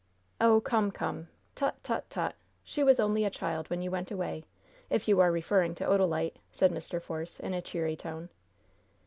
"Oh, come, come! Tut, tut, tut! She was only a child when you went away, if you are referring to Odalite!" said Mr. Force, in a cheery tone.